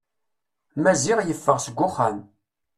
Maziɣ yeffeɣ seg uxxam.